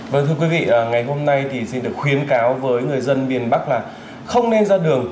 vâng thưa quý vị ngày hôm nay thì xin được khuyến cáo với người dân miền bắc là không nên ra đường